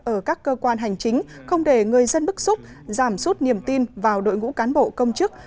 ở các cơ quan hành chính không để người dân bức xúc giảm sút niềm tin vào đội ngũ cán bộ công chức